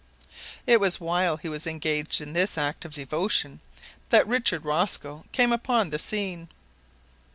It was while he was engaged in this act of devotion that Richard Rosco came upon the scene.